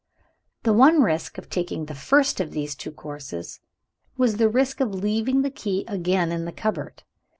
The one risk of taking the first of these two courses, was the risk of leaving the key again in the cupboard.